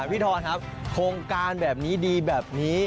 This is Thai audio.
พี่ทอนครับโครงการแบบนี้ดีแบบนี้